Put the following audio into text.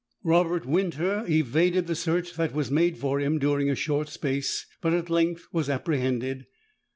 Robert Winter evaded the search that was made for him during a short space, but at length was apprehended.